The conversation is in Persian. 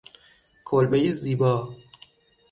کلبهی زیبا